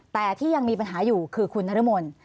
แต่ที่ยังมีปัญหาอยู่คือคุณนรมน